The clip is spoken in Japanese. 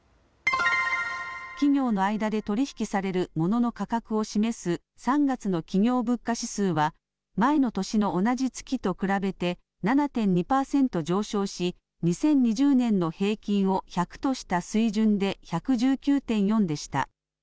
企業の間で取り引きされるモノの価格を示す３月の企業物価指数は前の年の同じ月と比べて７．２％上昇し２０２０年の平均を１００とした水準で１１９．４でした。